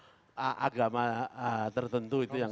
teroris dari kelompok agama tertentu itu yang